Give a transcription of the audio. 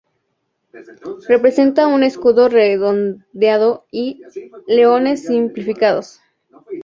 Representa un escudo redondeado y leones simplificados.